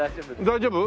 大丈夫？